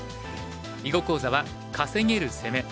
囲碁講座は「稼げる攻め」。